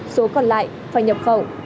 số còn lại phải nhập khẩu